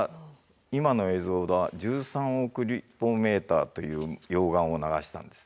今の映像が１３億という溶岩を流したんです。